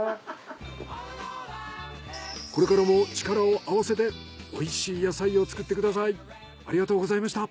これからも力を合わせておいしい野菜を作ってください！